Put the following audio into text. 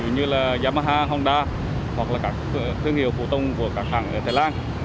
như là yamaha honda hoặc là các thương hiệu phụ tùng của các hãng ở thái lan